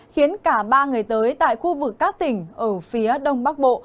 khiến cả ba ngày tới tại khu vực các tỉnh ở phía đông bắc bộ